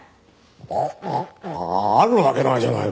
ああるわけないじゃないか。